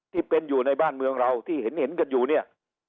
ที่เป็นอยู่ในบ้านเมืองเราที่เห็นกันอยู่เนี่ย